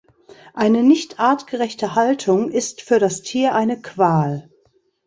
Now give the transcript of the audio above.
Eine nicht artgerechte Haltung ist für das Tier eine Qual.